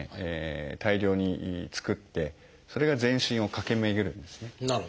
大量に作ってそれが全身を駆け巡るんですね。